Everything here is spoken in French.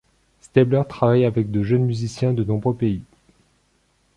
Stäbler travaille avec de jeunes musiciens de nombreux pays.